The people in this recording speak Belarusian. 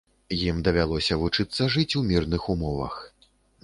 Ім давялося вучыцца жыць у мірных умовах.